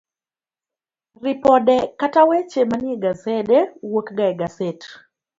Ripode kata Gweche Manie Gasede wuok ga e gaset